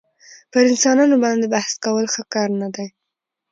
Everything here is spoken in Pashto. پر انسانانو باندي بحث کول ښه کار نه دئ.